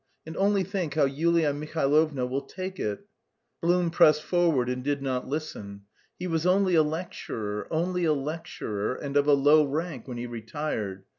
And only think how Yulia Mihailovna will take it." Blum pressed forward and did not listen. "He was only a lecturer, only a lecturer, and of a low rank when he retired."